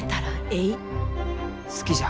好きじゃ。